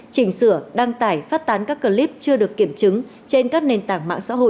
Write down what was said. chỉnh sửa đăng tải phát tán các clip chưa được kiểm chứng trên các nền tảng mạng xã hội